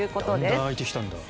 だんだん開いてきたんだ。